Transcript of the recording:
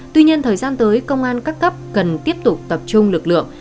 tuy nhiên thời gian tới công an các cấp cần tiếp tục tập trung lực lượng